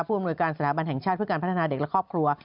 อำนวยการสถาบันแห่งชาติเพื่อการพัฒนาเด็กและครอบครัว